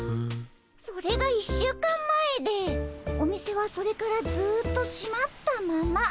それが１週間前でお店はそれからずっとしまったまま。